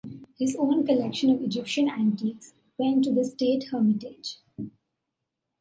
His own collection of Egyptian antiquities went to the State Hermitage.